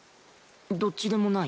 どっちでもない。